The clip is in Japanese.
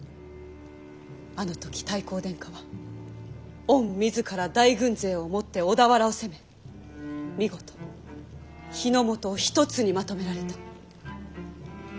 あの時太閤殿下は御自ら大軍勢をもって小田原を攻め見事日ノ本を一つにまとめられた。